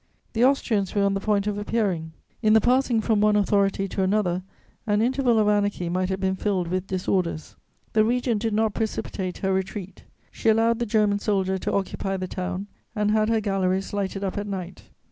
The Austrians were on the point of appearing: in the passing from one authority to another, an interval of anarchy might have been filled with disorders. The Regent did not precipitate her retreat; she allowed the German soldier to occupy the town and had her galleries lighted up at night.